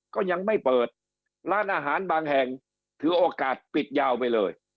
ก็ยังไม่เปิดร้านอาหารบางแห่งถือโอกาสปิดยาวไปเลย